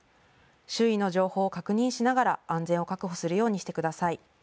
周囲の情報を確認しながら安全を確保するようにしてください。